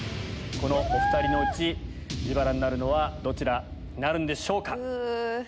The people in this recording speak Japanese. このお２人のうち自腹になるのはどちらなんでしょうか。